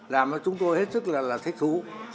làm cho chúng tôi hết sức là thích thú